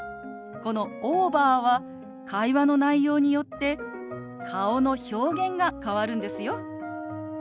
この「オーバー」は会話の内容によって顔の表現が変わるんですよ。